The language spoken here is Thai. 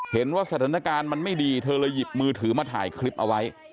เห็นว่าสถานการณ์มันไม่ดีเธอเลยหยิบมือถือมาถ่ายคลิปเอาไว้